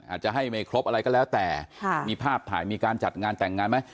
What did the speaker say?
อาจจะให้ไม่ครบอะไรก็แล้วแต่มีภาพถ่ายมีการจัดงานแต่งงานไหม